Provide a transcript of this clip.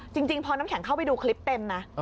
จริงพอน้ำแข็งเข้าไปดูคลิปเต็มนะ